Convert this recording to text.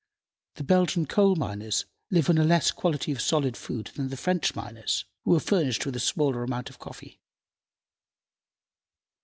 The Belgian coal miners live on a less quantity of solid food than the French miners, who are furnished with a smaller amount of coffee.